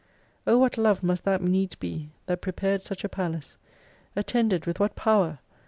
O what love must that needs be, that prepared such a palace ! At tended with what power